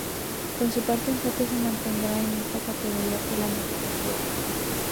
Por su parte Enfoque, se mantendrá en esta categoría para la misma temporada.